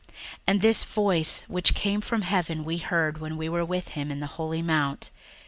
61:001:018 And this voice which came from heaven we heard, when we were with him in the holy mount.